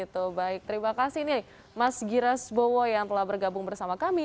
terima kasih nih mas giras bowo yang telah bergabung bersama kami